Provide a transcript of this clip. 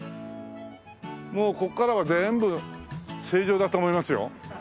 もうここからは全部成城だと思いますよ。